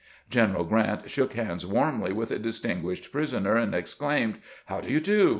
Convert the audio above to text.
General Grant shook hands warmly with the distinguished prisoner, and exclaimed, "How do you do?